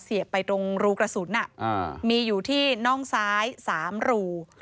ไปตรงรูกระสุนมีอยู่ที่น่องซ้าย๓รู